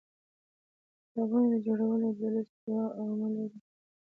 د کتابتونونو جوړول او د لوست دود عامول د فکري پرمختګ لومړۍ نښه ده.